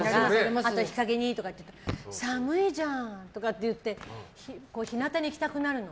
あと日陰にとかっていうけど寒いじゃんとかって言って日なたに行きたくなるの。